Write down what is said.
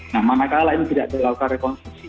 nah manakala ini tidak dilakukan rekonstruksi